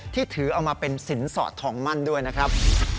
ที่ถือเอามาเป็นสินสอดทองมั่นด้วยนะครับ